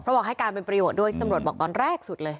บอกให้การเป็นประโยชน์ด้วยที่ตำรวจบอกตอนแรกสุดเลย